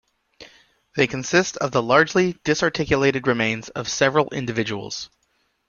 They consist of the largely disarticulated remains of several individuals.